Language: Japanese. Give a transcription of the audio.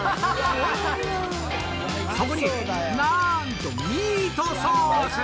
そこになんとミートソース！